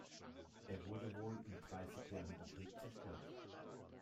Er wurde wohl im Dreißigjährigen Krieg zerstört.